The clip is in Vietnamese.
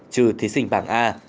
trừ thí sinh bảng a